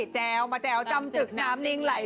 แจวมาแจ๋วจำตึกน้ำนิ่งไหล